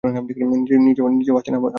নিজেও আসতেন, আমি বারণ করলাম।